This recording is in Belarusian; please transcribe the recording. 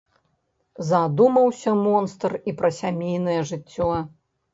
Задумаўся монстр і пра сямейнае жыццё.